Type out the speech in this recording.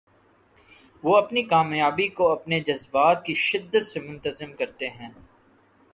وہ اپنی کامیابی کو اپنے جذبات کی شدت سے منتظم کرتے ہیں۔